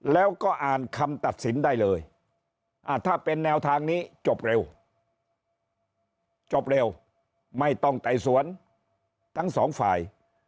แล้วก็อ่านคำตัดสินได้เลยถ้าเป็นแนวทางนี้จบเร็วจบเร็วไม่ต้องไต่สวนทั้งสองฝ่าย